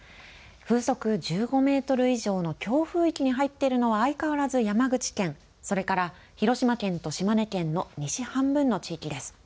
風速１５メートル以上の強風域に入っているのは相変わらず山口県、それから広島県と島根県の西半分の地域です。